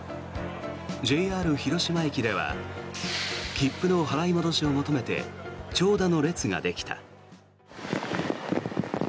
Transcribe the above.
ＪＲ広島駅では切符の払い戻しを求めて長蛇の列ができた。